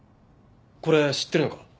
これ知ってるのか？